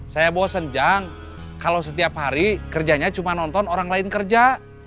saya bosen jang kalau setiap hari kerjanya cuma nonton orang lain kerja